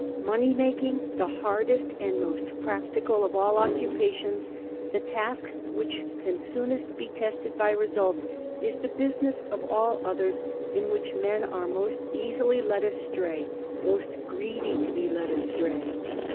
Money making, the hardest and most practical of aU occupa tions, the task which can soonest be tested by results, is the business of all others in which men are most easily led astray, most greedy to be led astray.